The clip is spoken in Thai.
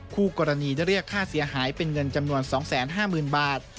คู่กรณีได้เรียกค่าเสียหายเป็นเงินจำนวน๒๕๐๐๐บาท